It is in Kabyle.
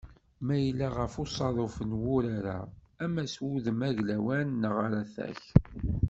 Ma yella ɣef uṣaḍuf n wurar-a, ama s wudem aglawan, neɣ aratak.